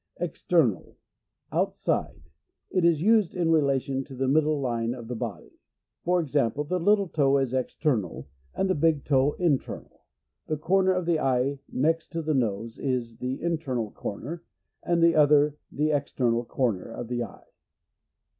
External. — Outside. It is used in relation to the middle line of the body; for example, the little toe is external, and the big toe internal ; the corner of the eye next to the nose, is the internal corner, and the other the external corner of the eye.